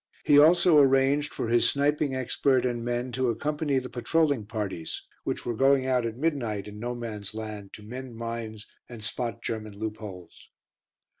He also arranged for his sniping expert and men to accompany the patrolling parties, which were going out at midnight in "No Man's Land" to mend mines and spot German loop holes.